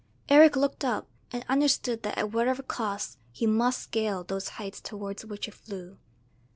Eric looked up and understood that at whatever cost he must scale those heights towards which it flew.